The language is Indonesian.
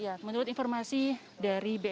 ya menurut informasi dari bmk